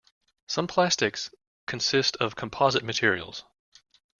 Some plastics consist of composite materials.